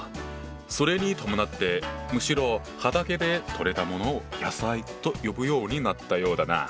それに伴ってむしろ畑で取れたものを「野菜」と呼ぶようになったようだな。